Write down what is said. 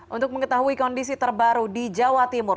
untuk mengetahui kondisi terbaru di jawa timur